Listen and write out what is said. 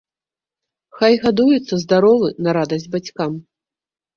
Хай гадуецца здаровы на радасць бацькам.